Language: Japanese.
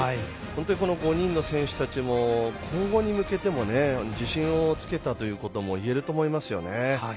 この５人の選手たちも今後に向けても自信をつけたということもいえると思いますね。